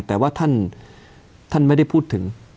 แต่ว่าท่านไม่ได้พูดถึง